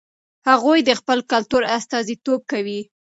هغوی د خپل کلتور استازیتوب کوي.